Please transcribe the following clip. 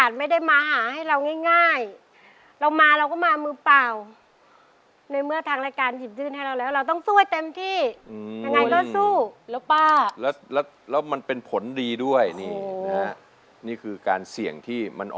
สำเร็จเยี่ยมมากแล้วโปะเลยข้ามไปเลยไม่ต้องร้องเลยด้วยซ้ำ